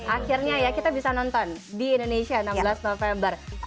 akhirnya ya kita bisa nonton di indonesia enam belas november